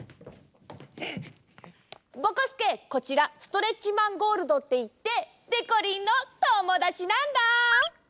ぼこすけこちらストレッチマンゴールドっていってでこりんのともだちなんだ。